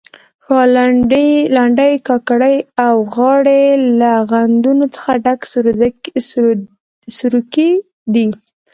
لنډۍ، کاکړۍ او غاړې له غندنو څخه ډک سروکي دي.